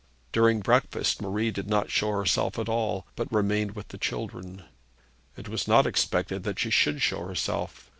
During breakfast Marie did not show herself at all, but remained with the children. It was not expected that she should show herself.